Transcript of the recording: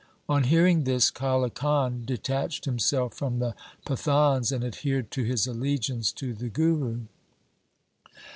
On hearing this Kale Khan detached himself from the Pathans, and adhered to his allegiance to the Guru.